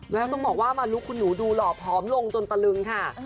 แล้วต้องบอกว่ามาลุกคุณหนูดูหล่อผอมลงจนตะลึงค่ะ